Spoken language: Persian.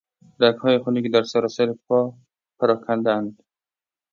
رگهای خونی که در سرتاسر پا پراکندهاند